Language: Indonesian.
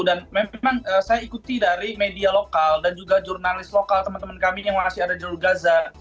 dan memang saya ikuti dari media lokal dan juga jurnalis lokal teman teman kami yang masih ada di jalur gaza